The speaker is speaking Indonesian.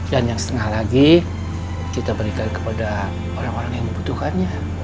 dan yang setengah lagi kita berikan kepada orang orang yang membutuhkannya